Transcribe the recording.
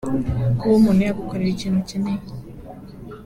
Kuba umuntu yagukorera ikintu ukeneye